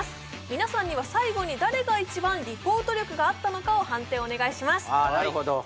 皆さんには最後に誰が一番リポート力があったのかを判定お願いします